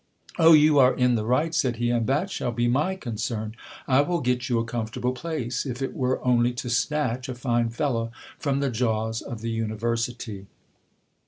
Oh ! you are in the right, said he, and that shall be my concern. I will get you a comfortable place, if it were only to snatch a fine fellow from the jaws of the university.